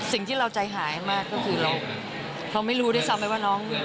สิ่งที่เราใจหายมากก็คือเราไม่รู้ด้วยซ้ำไปว่าน้อง